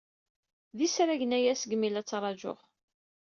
D isragen aya segmi la ttṛajuɣ.